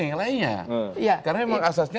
yang lainnya karena memang asasnya